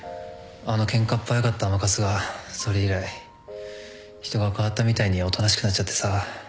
あのケンカっ早かった甘春がそれ以来人が変わったみたいにおとなしくなっちゃってさ。